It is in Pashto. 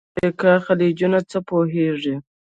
د جنوبي امریکا خلیجونه څه پوهیږئ؟